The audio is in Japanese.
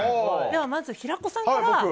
まず平子さんから。